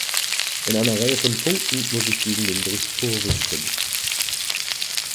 In einer Reihe von Punkten muss ich gegen den Bericht Purvis stimmen.